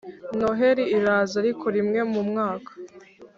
noheri iraza ariko rimwe mu mwaka